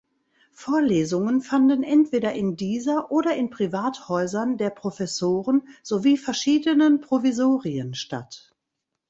Vorlesungen fanden entweder in dieser oder in Privathäusern der Professoren sowie verschiedenen Provisorien statt.